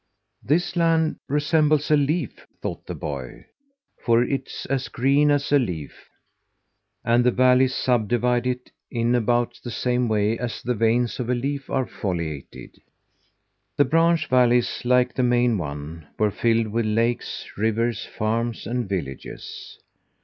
"This land resembles a leaf," thought the boy, "for it's as green as a leaf, and the valleys subdivide it in about the same way as the veins of a leaf are foliated." The branch valleys, like the main one, were filled with lakes, rivers, farms, and villages.